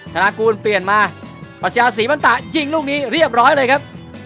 ธนากูลเปลี่ยนมาปัชญาศรีมันตะยิงลูกนี้เรียบร้อยเลยครับ